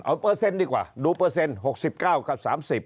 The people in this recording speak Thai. เอาเปอร์เซ็นต์ดีกว่าดูเปอร์เซ็นต์๖๙กับ๓๐